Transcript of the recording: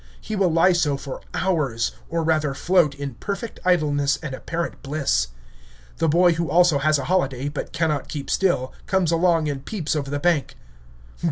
He will lie so for hours, or rather float, in perfect idleness and apparent bliss. The boy who also has a holiday, but cannot keep still, comes along and peeps over the bank.